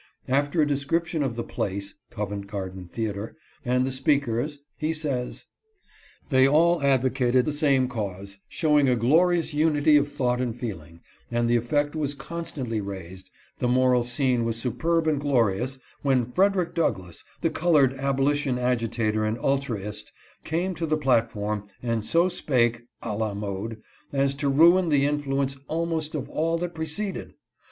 After a descrip tion of the place (Covent Garden theatre) and the speak ers, he says : ,o "They all advocated the same cause, showed a glorious unity of thought and feeling, and the effect was constantly raised — the moral scene was superb and glorious— when Frederick Douglass, the colored abolition agitator and ultraist, came to the platform and so spake, d la mode, as to ruin the influence almost of all that preceded